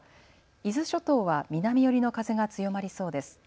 伊豆諸島は南寄りの風が強まりそうです。